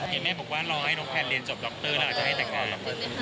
เห็นแม่บอกว่าเราให้น้องแพนเรียนจบดรอ่ะจะให้แตกการหรือเปล่า